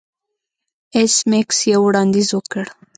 ایس میکس یو وړاندیز وکړ